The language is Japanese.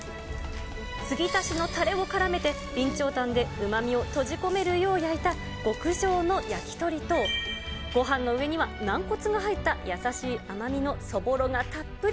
継ぎ足しのタレをからめて、備長炭でうまみを閉じ込めるよう焼いた極上の焼き鳥と、ごはんの上には、軟骨が入った優しい甘みのそぼろがたっぷり。